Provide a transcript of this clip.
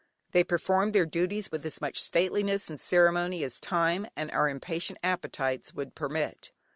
They performed their duties with as much stateliness and ceremony as time, and our impatient appetites would permit.